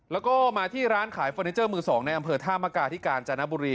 แล้วก็มาที่ร้านขายเฟอร์นิเจอร์มือ๒ในอำเภอท่ามกาที่กาญจนบุรี